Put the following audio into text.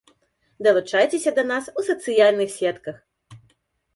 Далучайцеся да нас у сацыяльных сетках!